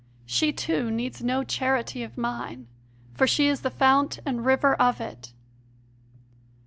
She, too, needs no charity of mine, for she is the fount and river of it.